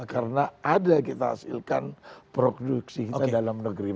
karena ada kita hasilkan produksi kita dalam negeri